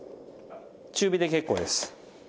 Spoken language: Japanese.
中火で結構です。